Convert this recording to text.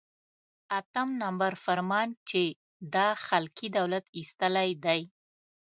اتم نمبر فرمان چې دا خلقي دولت ایستلی دی.